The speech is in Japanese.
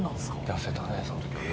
痩せたねその時はね。